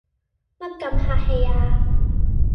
乜咁客氣呀？